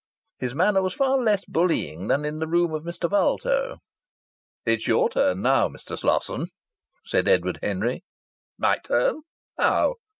His manner was far less bullying than in the room of Mr. Vulto. "It's your turn now, Mr. Slosson," said Edward Henry. "My turn? How?"